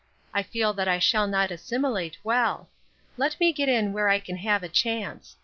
I feel that I shall not assimilate well. Let me get in where I can have a chance.